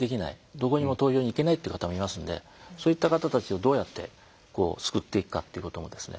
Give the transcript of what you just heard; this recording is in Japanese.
どこにも投票に行けないって方もいますんでそういった方たちをどうやって救っていくかってこともですね